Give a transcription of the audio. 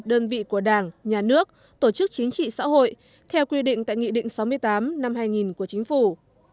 đơn vị của đảng nhà nước tổ chức chính trị xã hội theo quy định tại nghị định sáu mươi tám năm hai nghìn của chính phủ